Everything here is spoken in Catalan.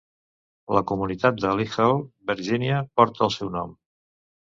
La comunitat de Lee Hall, Virgínia, porta el seu nom.